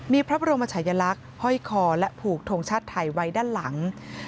มีพระบรมชายลักษณ์ห้อยคอและผูกทงชาติไทยไว้ด้านหลัง